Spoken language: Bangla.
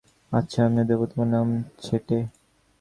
আচ্ছা, আমিও দেব তোমার নাম ছেঁটে।